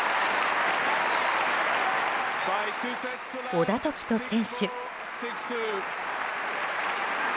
小田凱人選手。